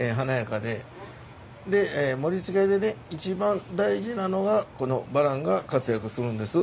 で盛りつけで一番大事なのがこのバランが活躍するんです。